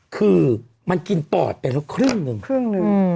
คือมันกินปอดเป็นครึ่งหนึ่ง